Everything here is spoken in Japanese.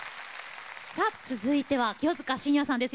続いては清塚信也さんです。